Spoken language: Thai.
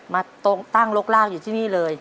มาตั้งรกร่างอยู่ที่นี่เลย